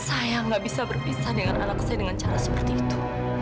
saya nggak bisa berpisah dengan anak saya dengan cara seperti itu